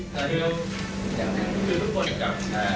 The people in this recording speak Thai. คือทุกคน